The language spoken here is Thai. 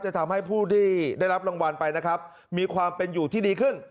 ทำให้ผู้ที่ได้รับรางวัลไปนะครับมีความเป็นอยู่ที่ดีขึ้น